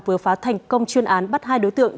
vừa phá thành công chuyên án bắt hai đối tượng